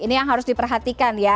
ini yang harus diperhatikan ya